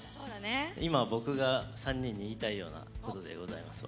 今僕が３人に言いたいようなことでございますわ。